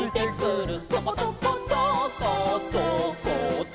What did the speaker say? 「とことことっことっこと」